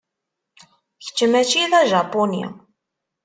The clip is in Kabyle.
Kečč mačči d ajapuni.